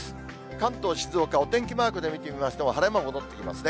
関東、静岡、お天気マークで見てみましても、晴れ間戻ってきますね。